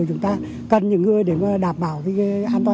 chúng ta cần những người để đảm bảo an toàn cho chúng ta